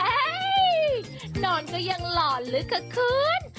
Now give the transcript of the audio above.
เอ๊ยนอนก็ยังหล่อลึกขาดขึ้น